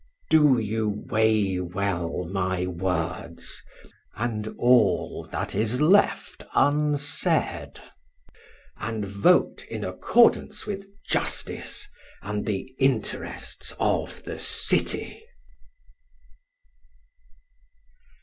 Do you weigh well my words and all that is left unsaid, and vote in accordance with justice and the interests of the city!